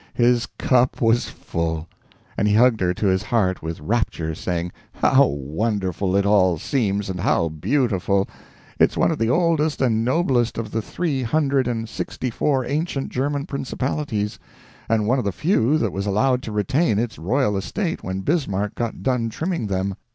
His cup was full, and he hugged her to his heart with rapture, saying: "How wonderful it all seems, and how beautiful! It's one of the oldest and noblest of the three hundred and sixty four ancient German principalities, and one of the few that was allowed to retain its royal estate when Bismarck got done trimming them.